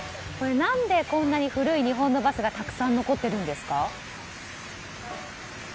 何でこんなに古い日本のバスがたくさん残っているんですか？